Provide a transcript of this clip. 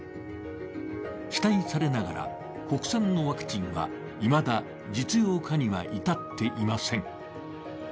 期待されながら国産のワクチンはいまだ実用化には至っていません。